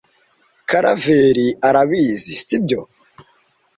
Karaveri arabizi, sibyo?